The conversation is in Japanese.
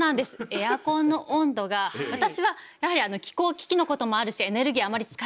エアコンの温度が私はやはり気候危機のこともあるしエネルギーをあまり使いたくない。